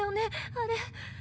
あれ。